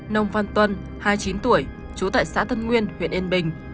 nông văn tuân hai mươi chín tuổi trú tại xã tân nguyên huyện yên bình